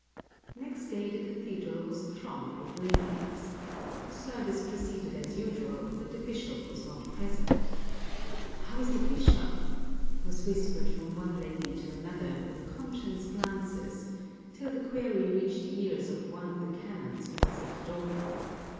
Next day the cathedral was thronged with ladies. The service proceeded as usual, but the bishop was not present. How is the bishop ?" was whispered from one lady to another, with conscious glances ; till the query reached the ears of one of the canons who was at the door.